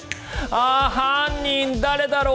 犯人誰だろう？